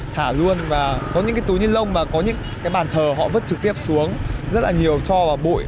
thả luôn và có những cái túi ni lông và có những cái bàn thờ họ vứt trực tiếp xuống rất là nhiều cho vào bụi